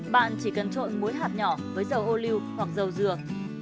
bạn chỉ cần trộn muối hạt nhỏ với dầu ô lưu hoặc dầu dừa